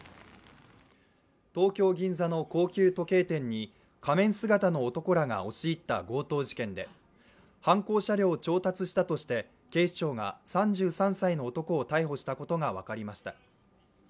東京・銀座の高級時計店に仮面姿の男らが押し入った強盗事件で、犯行車両を調達したとして警視庁が３３歳の男を逮捕したことが分かりました。